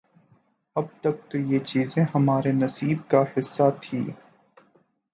اب تک تو یہ چیزیں ہمارے نصیب کا حصہ تھیں۔